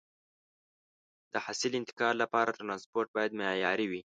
د حاصل انتقال لپاره ترانسپورت باید معیاري وي.